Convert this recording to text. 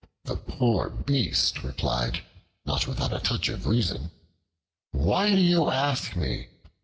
The poor beast replied, not without a touch of reason: "Why do you ask me?